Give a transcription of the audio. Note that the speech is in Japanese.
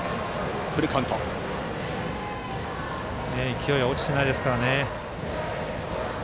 勢いは落ちてないですから。